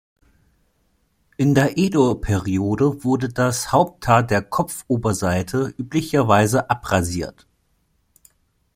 In der Edo-Periode wurde das Haupthaar der Kopfoberseite üblicherweise abrasiert.